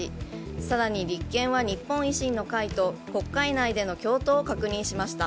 更に、立憲は日本維新の会と国会内での共闘を確認しました。